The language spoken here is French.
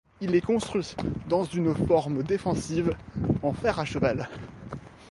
Il est construit dans une forme défensive en fer à cheval.